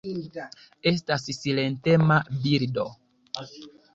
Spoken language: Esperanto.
Estas silentema birdo.